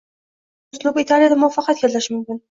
Biroq uning uslubi Italiyada muvaffaqiyat keltirishi mumkin